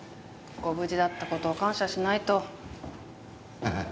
ご無事だった事を感謝しないと。